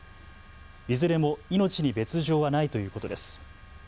いずれも命に別状はないということです。